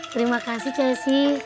terima kasih ceci